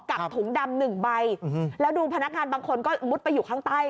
กับถุงดำหนึ่งใบแล้วดูพนักงานบางคนก็มุดไปอยู่ข้างใต้